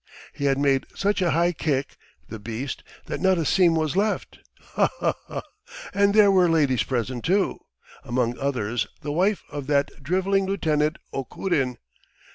He had made such a high kick, the beast, that not a seam was left. ... Ha ha ha, and there were ladies present, too ... among others the wife of that drivelling Lieutenant Okurin.